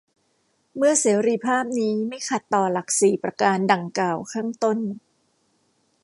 เมื่อเสรีภาพนี้ไม่ขัดต่อหลักสี่ประการดั่งกล่าวข้างต้น